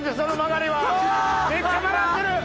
めっちゃ曲がってる！